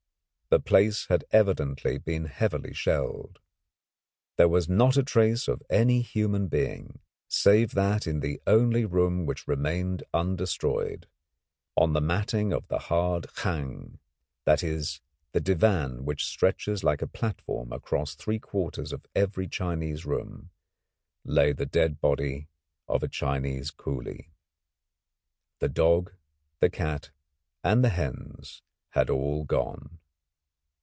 The place had evidently been heavily shelled. There was not a trace of any human being, save that in the only room which remained undestroyed, on the matting of the hard Khang that is the divan which stretches like a platform across three quarters of every Chinese room lay the dead body of a Chinese coolie. The dog, the cat, and the hens had all gone.